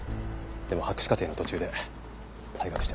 でも博士課程の途中で退学してます。